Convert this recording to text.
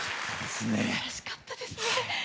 すばらしかったですね。